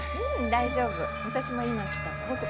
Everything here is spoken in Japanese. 大丈夫私も今来たとこ。